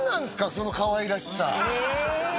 そのかわいらしさえ？